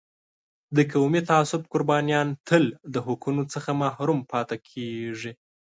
د قومي تعصب قربانیان تل د حقونو څخه محروم پاتې کېږي.